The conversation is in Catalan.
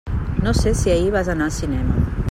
No sé si ahir vas anar al cinema.